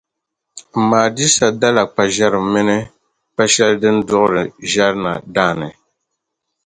Mma Adisa dala kpaʒεrim mini kpa’ shɛli din duɣiri ʒεri na daani.